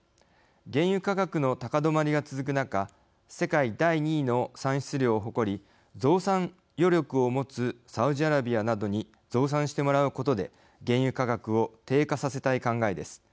原油価格の高止まりが続く中世界第２位の産出量を誇り増産余力を持つサウジアラビアなどに増産してもらうことで原油価格を低下させたい考えです。